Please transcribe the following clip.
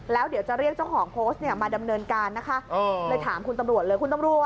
แล้วเดี๋ยวจะเรียกเจ้าของโพสต์เนี่ยมาดำเนินการนะคะเลยถามคุณตำรวจเลยคุณตำรวจ